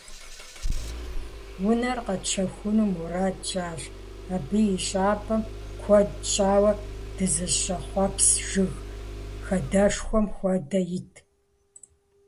Унэр къэтщэхуну мурад тщӀащ, абы и щӏапӏэм куэд щӏауэ дызыщӀэхъуэпс жыг хадэшхуэм хуэдэ итт.